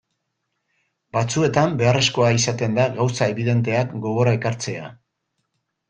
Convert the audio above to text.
Batzuetan beharrezkoa izaten da gauza ebidenteak gogora ekartzea.